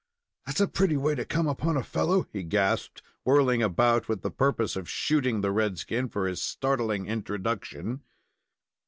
"That's a pretty way to come upon a fellow!" he gasped, whirling about with the purpose of shooting the red skin for his startling introduction.